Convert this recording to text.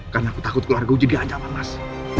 karena aku takut keluarga aku jadi ancaman mas